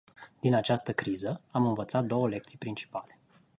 Din această criză, am învățat două lecții principale.